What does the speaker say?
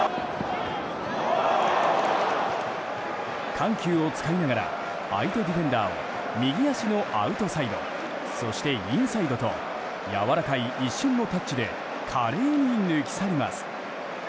緩急を使いながら相手ディフェンダーを右足のアウトサイドそしてインサイドとやわらかい一瞬のタッチで華麗に抜き去ります。